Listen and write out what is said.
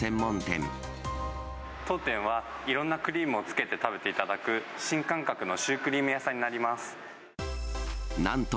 当店は、いろんなクリームをつけて食べていただく新感覚のシュークリームなんと